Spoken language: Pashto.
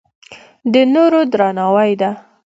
د نورو درناوی ده.